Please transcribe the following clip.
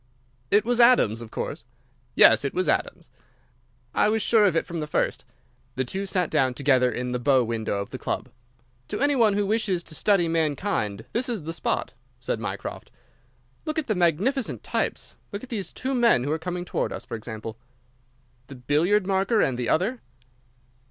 "It was Adams, of course." "Yes, it was Adams." "I was sure of it from the first." The two sat down together in the bow window of the club. "To any one who wishes to study mankind this is the spot," said Mycroft. "Look at the magnificent types! Look at these two men who are coming towards us, for example." "The billiard marker and the other?"